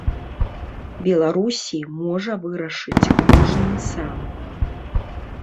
Беларусі можа вырашыць кожны сам.